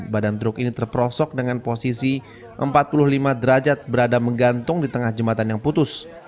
badan truk ini terperosok dengan posisi empat puluh lima derajat berada menggantung di tengah jembatan yang putus